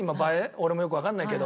俺もよくわかんないけど。